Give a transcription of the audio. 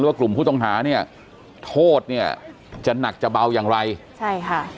ว่ากลุ่มผู้ต้องหาเนี่ยโทษเนี่ยจะหนักจะเบาอย่างไรใช่ค่ะ